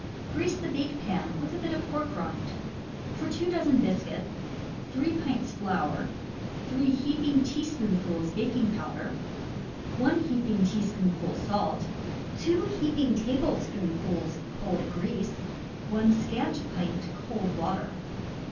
Grease the bake pan with a bit of pork rind. For 2 doz. biscuit: 3 pints flour, 3 heaping teaspoonfuls baking powder, 1 " teaspoonful salt, 2 " tablespoonfuls cold grease, 1 scant pint cold water.